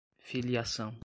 filiação